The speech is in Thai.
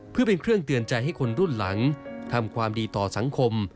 เพื่อเป็นเครื่องเตือนใจให้คนรุ่นหลังทำความดีต่อสังคม